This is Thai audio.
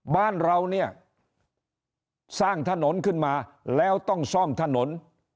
บ้านเราเนี่ยสร้างถนนขึ้นมาแล้วต้องซ่อมถนน